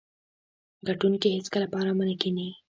ګټونکي هیڅکله په ارامه نه کیني.